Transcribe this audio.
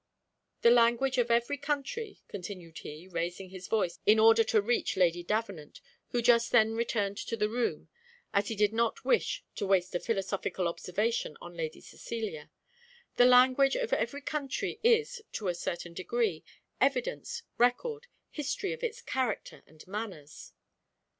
The language of every country," continued he, raising his voice, in order to reach Lady Davenant, who just then returned to the room, as he did not wish to waste a philosophical observation on Lady Cecilia, "the language of every country is, to a certain degree, evidence, record, history of its character and manners."